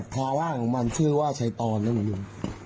ภาวะของมันชื่อว่าชัยตอนนี่ดู